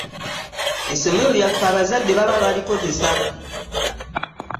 Essomero lyaffe abazadde baba balikozesa.